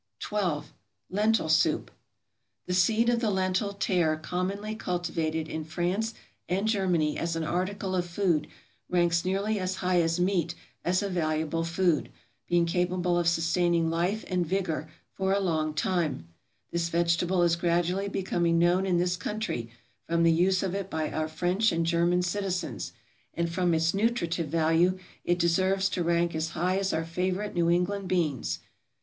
12. =Lentil Soup.= The seed of the lentil tare commonly cultivated in France and Germany as an article of food, ranks nearly as high as meat, as a valuable food, being capable of sustaining life and vigor for a long time; this vegetable is gradually becoming known in this country, from the use of it by our French and German citizens; and from its nutritive value it deserves to rank as high as our favorite New England beans.